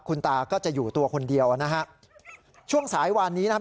คุณตาก็จะอยู่ตัวคนเดียวนะฮะช่วงสายวานนี้นะครับ